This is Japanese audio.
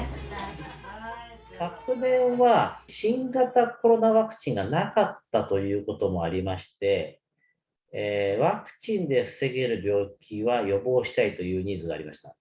昨年は新型コロナワクチンがなかったということもありまして、ワクチンで防げる病気は予防したいというニーズがありました。